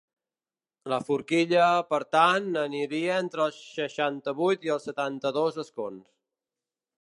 La forquilla, per tant, aniria entre els seixanta-vuit i els setanta-dos escons.